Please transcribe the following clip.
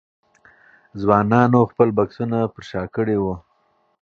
ځوانانو خپل بکسونه پر شا کړي وو.